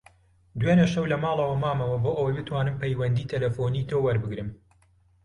دوێنێ شەو لە ماڵەوە مامەوە بۆ ئەوەی بتوانم پەیوەندیی تەلەفۆنیی تۆ وەربگرم.